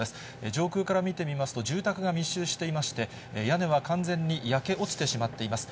上空から見てみますと、住宅が密集していまして、屋根は完全に焼け落ちてしまっています。